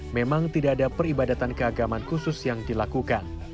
memang tidak ada peribadatan keagaman khusus yang dilakukan